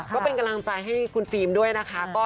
ก็เป็นกำลังใจให้คุณฟิล์มด้วยนะคะ